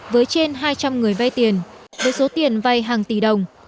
với trên hai trăm linh người vay tiền với số tiền vay hàng tỷ đồng